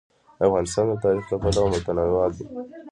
افغانستان د تاریخ له پلوه متنوع دی.